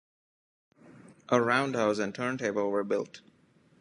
A roundhouse and turntable were built.